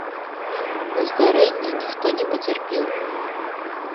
У здарэнні ніхто не пацярпеў.